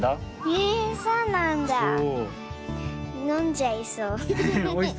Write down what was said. のんじゃいそう。